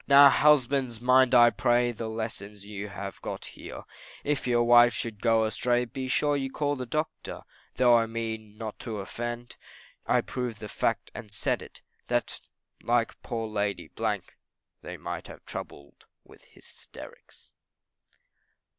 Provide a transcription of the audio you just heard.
Now husbands mind I pray, The lesson you have got here, If your wives should go astray, Be sure you call the doctor. Though I mean not to offend, I've proved the fact, and said it, That like poor Lady , They might be troubled with hysterics.